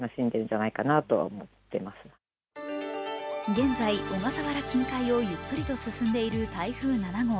現在、小笠原近海をゆっくりと進んでいる台風７号。